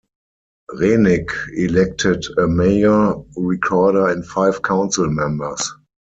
Renick elected a mayor, recorder and five council members.